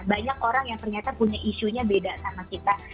banyak orang yang ternyata punya isunya beda sama kita